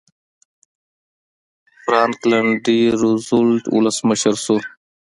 فرانکلن ډي روزولټ ولسمشر شو.